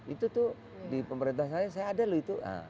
itu tuh di pemerintah saya saya ada loh itu